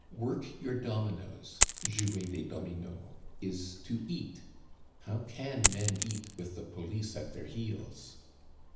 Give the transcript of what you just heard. Work your dominoes (jouer des dominos) is to eat; how can men eat with the police at their heels?